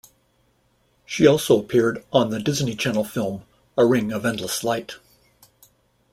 She also appeared on the Disney Channel film, "A Ring of Endless Light".